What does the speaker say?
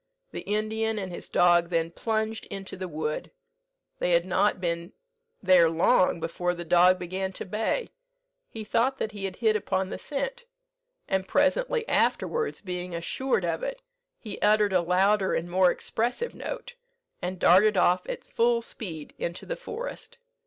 The Indian and his dog then plunged into the wood. They had not been there long before the dog began to bay; he thought that he had hit upon the scent, and presently afterwards, being assured of it, he uttered a louder and more expressive note, and darted off at full speed into the forest.